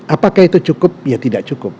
apakah itu cukup ya tidak cukup